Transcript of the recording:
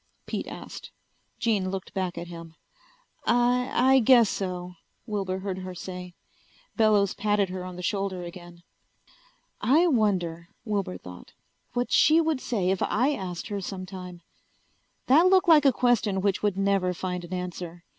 Pete asked. Jean looked back at him. "I I guess so," Wilbur heard her say. Bellows patted her on the shoulder again. I wonder, Wilbur thought, what she would say if I asked her sometime? That looked like a question which would never find an answer.